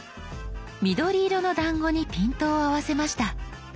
緑色のだんごにピントを合わせました。